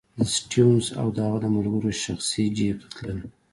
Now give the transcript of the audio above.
د سټیونز او د هغه د ملګرو شخصي جېب ته تلل.